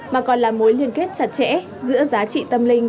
mà còn là mối liên kết chặt chẽ giữa giá trị tâm linh